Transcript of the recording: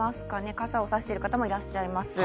傘を差している方もいらっしゃいます。